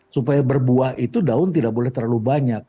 supaya berbuah itu daun tidak boleh terlalu banyak